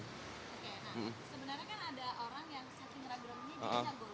sebenarnya kan ada orang yang saking ragu ragu